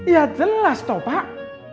ya jelas toh pak